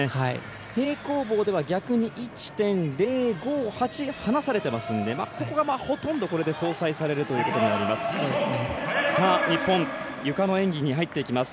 平行棒では逆に１．０５８離されていますのでここがほとんど相殺されるということになります。